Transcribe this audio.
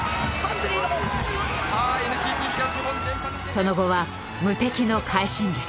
その後は無敵の快進撃。